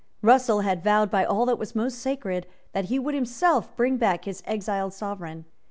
Russell had vowed by all that was most sacred that he would himself bring back his exiled Sovereign.